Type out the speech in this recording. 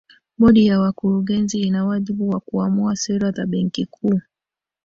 bodi ya wakurugenzi ina wajibu wa kuamua sera za benki kuu